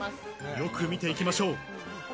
よく見ていきましょう。